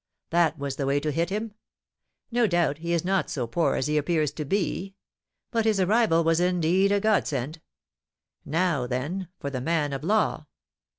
That was the way to hit him. No doubt he is not so poor as he appears to be. But his arrival was indeed a godsend. Now, then, for the man of law!"